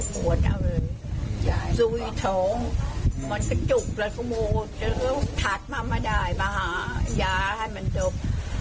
ห่วงเอาเลยซุยทองมันก็จุกแล้วก็โมดแล้วก็ถัดมามาได้มาหายาให้มันดบ